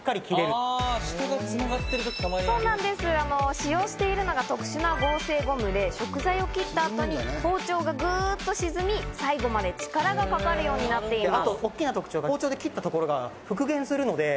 使用しているのが特殊な合成ゴムで、食材を切った後に包丁がぐっと沈み、最後まで力がかかるようになっているんです。